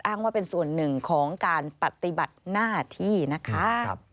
อ้างว่าเป็นส่วนหนึ่งของการปฏิบัติหน้าที่นะคะ